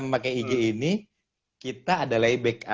memakai ig ini kita ada delay